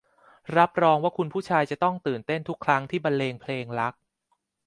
รับรองว่าคุณผู้ชายจะต้องตื่นเต้นทุกครั้งที่บรรเลงเพลงรัก